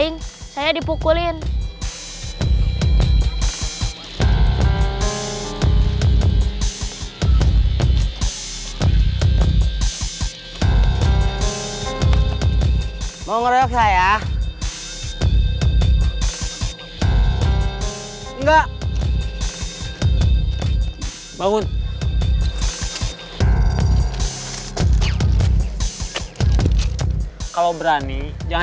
ini udah kangen nunjuk orang